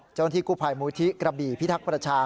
เจ้าหน้าที่กู้ภัยมูลที่กระบี่พิทักษ์ประชา